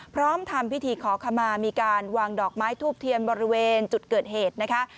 พร้อมทำพิธีขอขมามีการวางดอกไม้ทูบเทียนบริเวณจุดเกิดเหตุนะคะ